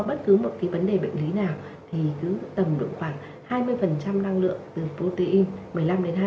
bất cứ một cái vấn đề bệnh lý nào thì cứ tầm được khoảng hai mươi phần trăm năng lượng từ protein một mươi năm đến hai mươi